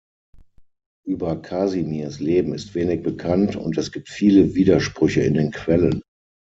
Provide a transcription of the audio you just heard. Über Kasimirs Leben ist wenig bekannt und es gibt viele Widersprüche in den Quellen.